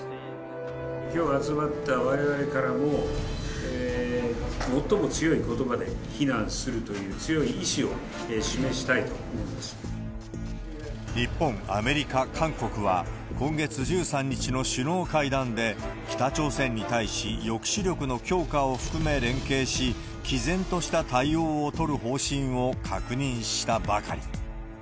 きょう集まったわれわれからも、最も強いことばで非難するという、日本、アメリカ、韓国は今月１３日の首脳会談で、北朝鮮に対し抑止力の強化を含め連携し、きぜんとした対応を取る方針を確認したばかり。